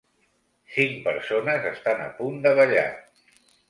Cinc persones estan a punt de ballar.